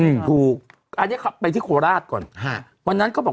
อืมพูอันนี้ไปทิศภูราชก่อนฮะวันนั้นก็บอก